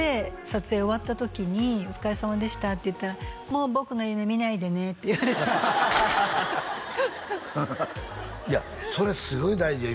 撮影終わった時に「お疲れさまでした」って言ったら「もう僕の夢見ないでね」って言われたいやそれすごい大事よ